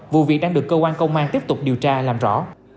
vụ việc đang được cơ quan công an tiếp tục điều tra làm rõ